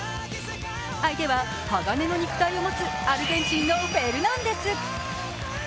相手は鋼の肉体を持つアルゼンチンのフェルナンデス。